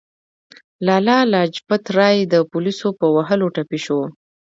لالا لاجپت رای د پولیسو په وهلو ټپي شو.